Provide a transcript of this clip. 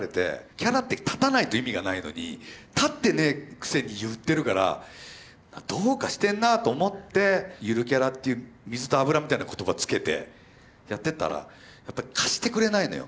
キャラって立たないと意味がないのに立ってねえくせに言ってるからどうかしてんなぁと思ってゆるキャラっていう水と油みたいな言葉つけてやってったらやっぱり貸してくれないのよ。